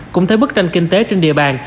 cũng thấy bức tranh kinh tế trên địa bàn